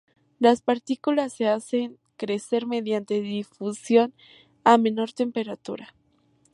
Las partículas se hacen crecer mediante difusión a menor temperatura.